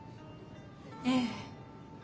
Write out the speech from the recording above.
ええ。